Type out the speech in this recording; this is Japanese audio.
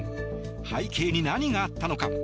背景に何があったのか？